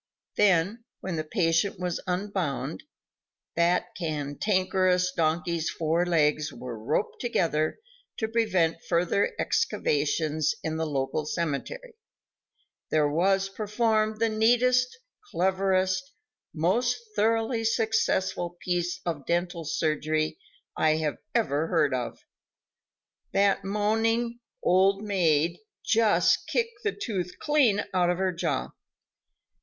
Then, when the patient was unbound that cantankerous donkey's four legs were roped together to prevent further excavations in the local cemetery there was performed the neatest, cleverest, most thoroughly successful piece of dental surgery that I ever heard of. That moaning "Old maid" just kicked the tooth clean out of her jaw.